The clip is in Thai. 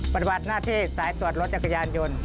บรรยาบาลหน้าที่สายตรวจรถยักยายยนต์